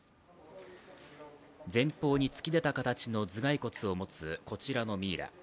前方に突き出た形の頭蓋骨を持つこちらのミイラ。